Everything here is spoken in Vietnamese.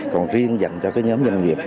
còn riêng dành cho nhóm doanh nghiệp